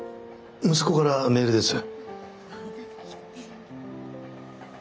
息子からメールです。